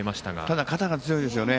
ただ肩が強いですよね。